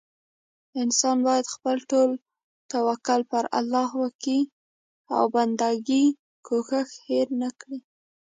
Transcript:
انسان بايد خپل ټول توکل پر الله وکي او بندګي کوښښ هير نه کړي